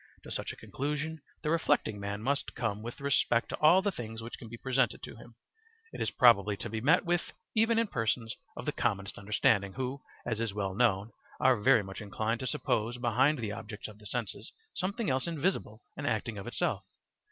To such a conclusion the reflecting man must come with respect to all the things which can be presented to him: it is probably to be met with even in persons of the commonest understanding, who, as is well known, are very much inclined to suppose behind the objects of the senses something else invisible and acting of itself.